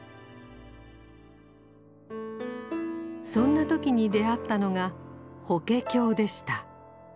そんな時に出会ったのが法華経でした。